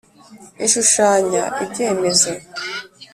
ishushanya ibyemezo